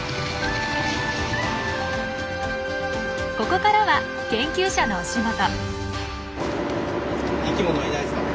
ここからは研究者のお仕事。